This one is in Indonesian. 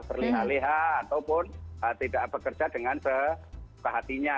terlihat lihat ataupun tidak bekerja dengan kehatinya